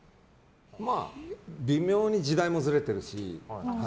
微妙に時代もずれているし。